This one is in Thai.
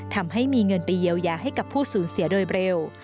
ทำให้มีเงินไปเยียวยาให้กับผู้สูญเสียโดยเร็ว